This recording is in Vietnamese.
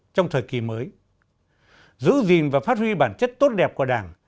trong thời kỳ mới giữ gìn và phát huy bản chất tốt đẹp của đảng